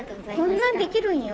こんなにできるんよ。